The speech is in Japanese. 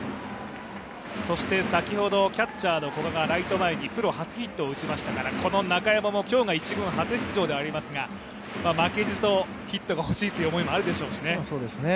先ほどキャッチャーの古賀がライト前にプロ初ヒットを打ちましたからこの中山も今日が１軍初出場でありますが、負けじとヒットが欲しいという思いもあるでしょうしね。